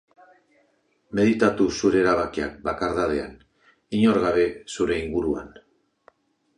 Meditatu zure erabakiak bakardadean, inor gabe zure inguruan.